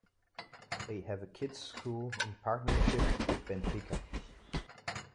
They have a kids school in partnership with Benfica.